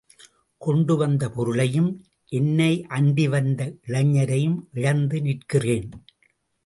கொண்டு வந்த பொருளையும், என்னை அண்டி வந்த இளைஞரையும் இழந்து நிற்கிறேன்.